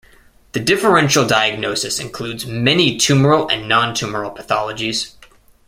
The differential diagnosis includes many tumoral and nontumoral pathologies.